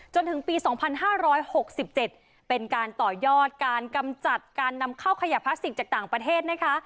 จนถึงปีสองพันห้าร้อยหกสิบเจ็ดเป็นการต่อยอดการกำจัดการนำเข้าขยะพลาสติกจากต่างประเทศนะคะ